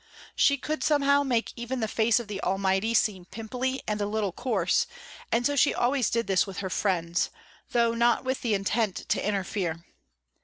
She could somehow make even the face of the Almighty seem pimply and a little coarse, and so she always did this with her friends, though not with the intent to interfere.